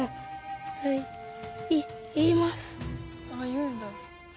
「言うんだ」